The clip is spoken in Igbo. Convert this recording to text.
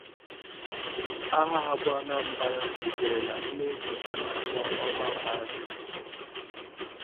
Aha a bụ 'Anambra' sitere na mmiri a na-akpọ Ọmambala